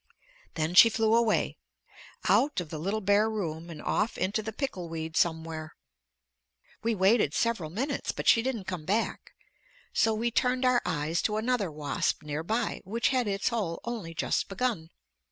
Then she flew away, out of the little bare room and off into the pickle weed somewhere. We waited several minutes but she didn't come back, so we turned our eyes to another wasp near by which had its hole only just begun.